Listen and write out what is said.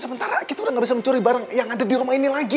sementara kita udah gak bisa mencuri barang yang ada di rumah ini lagi